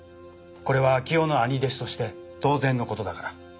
これは明生の兄弟子として当然のことだから。